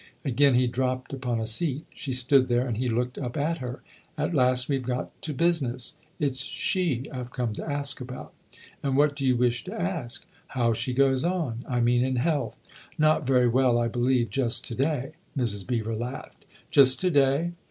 Again he dropped upon a seat ; she stood there and he looked up at her. "At last we've got to business ! It's she I've come to ask about." " And what do you wish to ask ?"" How she goes on I mean in health," THE OTHER HOUSE 125 " Not very well, I believe, just to day !" Mrs. Beever laughed. " Just to day